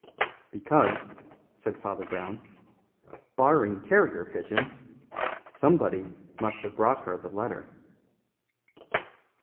"Because," said Father Brown, "barring carrier pigeons, somebody must have brought her the letter."